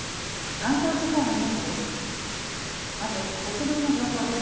関東地方のニュースです。